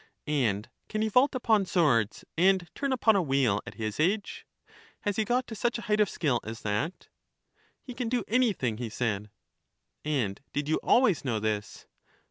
And can he vault upon swords, and turn upon a wheel, at his age? has he got to such a height of skill as that? He can do anything, he said. And did you always know this?